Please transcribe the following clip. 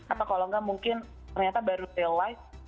atau kalau enggak mungkin ternyata baru realize